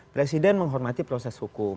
presiden menghormati proses hukum